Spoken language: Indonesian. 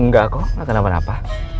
enggak kok gak kenapa napa